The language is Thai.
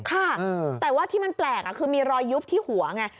ค่ะแต่ว่าที่มันแปลกคือมีรอยยุบที่หัวไง